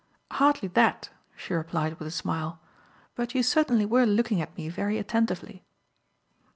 "Hardly that," she replied with a smile; "but you certainly were looking at me very attentively."